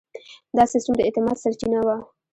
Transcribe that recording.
دا سیستم د اعتماد سرچینه وه.